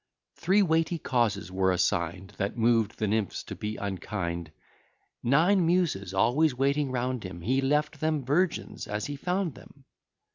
Three weighty causes were assign'd, That moved the nymphs to be unkind. Nine Muses always waiting round him, He left them virgins as he found them.